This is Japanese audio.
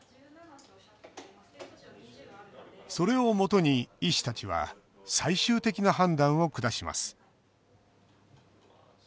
それをもとに医師たちは最終的な判断を下します。